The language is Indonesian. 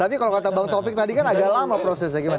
tapi kalau kata bang taufik tadi kan agak lama prosesnya gimana